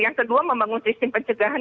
yang kedua membangun sistem pencegahan